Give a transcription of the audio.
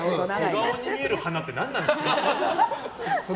小顔に見える花って何なんですか。